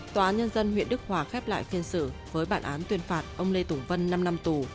tòa án nhân dân huyện đức hòa khép lại phiên xử với bản án tuyên phạt ông lê tùng vân năm năm tù